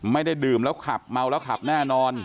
ไม่ได้ดื่มแล้วขับเมาแล้วขับแน่นอน